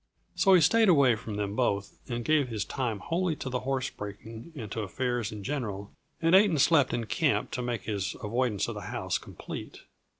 So he stayed away from them both and gave his time wholly to the horse breaking and to affairs in general, and ate and slept in camp to make his avoidance of the house complete.